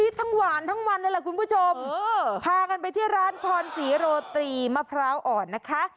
ทั้งหวานทั้งวันเลยล่ะคุณผู้ชมพากันไปที่ร้านพรศรีโรตรีมะพร้าวอ่อนนะคะ